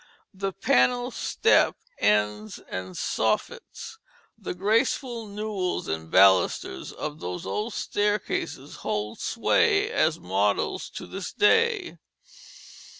The panelled step ends and soffits, the graceful newels and balusters, of those old staircases hold sway as models to this day.